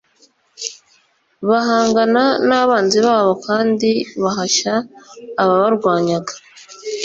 bahangana n'abanzi babo kandi bahashya ababarwanyaga